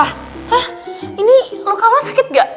hah ini lokal lo sakit gak